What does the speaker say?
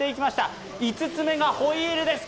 ５つ目はホイールです。